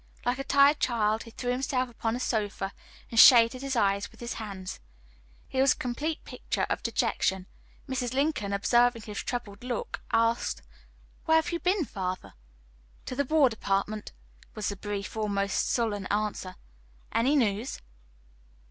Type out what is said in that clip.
Like a tired child he threw himself upon a sofa, and shaded his eyes with his hands. He was a complete picture of dejection. Mrs. Lincoln, observing his troubled look, asked: "Where have you been, father?" "To the War Department," was the brief, almost sullen answer. "Any news?"